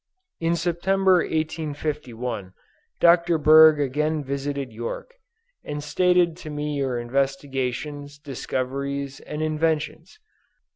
In September, 1851, Dr. Berg again visited York, and stated to me your investigations, discoveries and inventions.